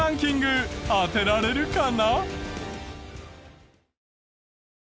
当てられるかな？